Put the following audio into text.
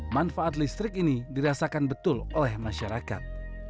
manfaat listrik ini dirasakan betul oleh masyarakat